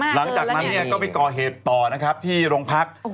หลังจากนั้นเนี่ยก็ไปก่อเหตุต่อนะครับที่โรงพัก